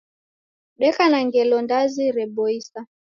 Deko na ngelo ndazi reboisa.